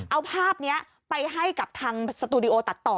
เอาภาพนี้ไปให้กับทางสตูดิโอตัดต่อ